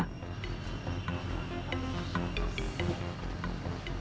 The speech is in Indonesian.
nunggu sampai ada anak yang kehilangan bapaknya